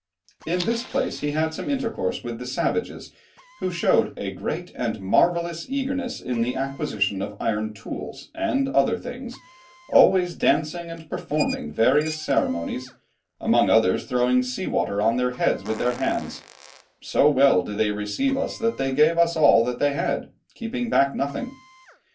In this place he had some intercourse with the savages, who showed "a great and marvellous eagerness in the acquisition of iron tools and other things, always dancing and performing various ceremonies, among others throwing sea water on their heads with their hands; so well did they receive us that they gave us all that they had, keeping back nothing."